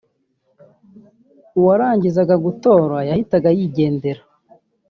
uwarangizaga gutora yahitaga yigendera